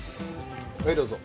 はいどうぞ。